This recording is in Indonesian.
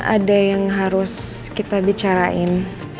ada yang harus kita bicarain